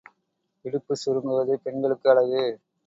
இடுப்புச் சுருங்குவது பெண்களுக்கு அழகு.